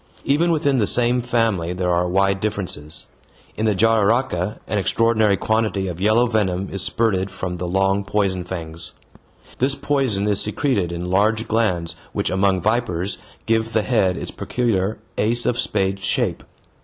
Even within the same family there are wide differences. In the jararaca an extraordinary quantity of yellow venom is spurted from the long poison fangs. This poison is secreted in large glands which, among vipers, give the head its peculiar ace of spades shape.